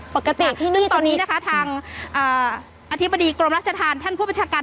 ปรากฏิภักษ์ว่านี่ตอนนี้นะคะทางออธิบดีกรมรัชชาธารท่านผู้บัญชาการ